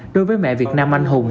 đối với mẹ việt nam anh hùng